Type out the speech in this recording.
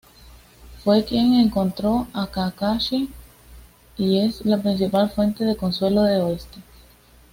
Fue quien encontró a Kakashi y es la principal fuente de consuelo de este.